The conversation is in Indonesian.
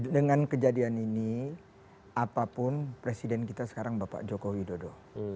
dengan kejadian ini apapun presiden kita sekarang bapak joko widodo